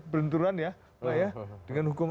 benturan ya pak ya dengan hukum